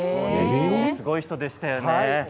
すごい人でしたね。